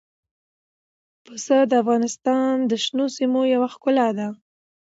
پسه د افغانستان د شنو سیمو یوه ښکلا ده.